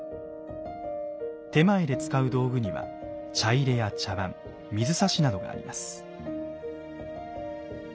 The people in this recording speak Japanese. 点前で使う道具には茶入や茶碗水指などがあります。